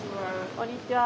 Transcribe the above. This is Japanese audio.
こんにちは。